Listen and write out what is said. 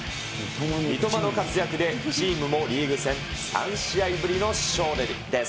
三笘の活躍でチームもリーグ戦３試合ぶりの勝利です。